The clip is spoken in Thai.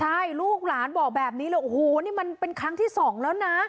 ใช่ลูกหลานบอกแบบนี้เลยโอ้โหนี่มันเป็นครั้งที่สองแล้วนะ